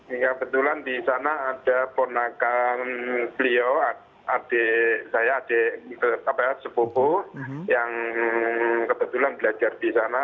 hingga kebetulan di sana ada ponakan beliau adik saya adik sepupu yang kebetulan belajar di sana